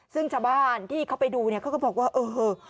ซึ่งชาวบ้านที่เขาไปดูเนี่ยเขาก็บอกว่าเออ